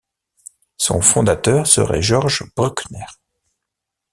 Son fondateur serait George Bruckner.